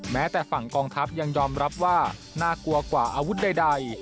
แม้แต่ฝั่งกองทัพยังยอมรับว่าน่ากลัวกว่าอาวุธใด